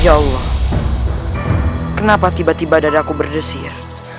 ya allah kenapa tiba tiba dada aku berdesir